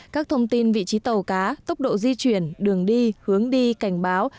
các thông tin vị trí tàu cá tốc độ di chuyển đường đi hướng đi cảnh báo